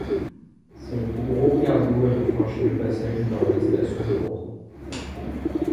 C'est le plus gros cargo ayant franchit le passage du Nord-Ouest à ce jour.